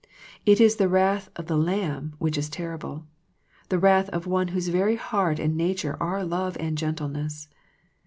It is the wrath of the Lamb which is terrible, the wrath of One whose very heart and nature are love and gentleness.